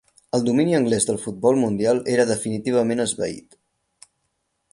El domini anglès del futbol mundial era definitivament esvaït.